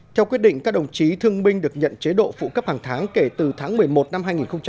theo quyết định các đồng chí thương binh được nhận chế độ phụ cấp hàng tháng kể từ tháng một mươi một năm hai nghìn một mươi chín